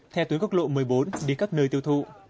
theo tuyến quốc lộ một mươi bốn đi các nơi tiêu thụ